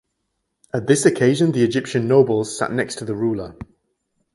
At this occasion the Egyptian nobles sat next to the ruler.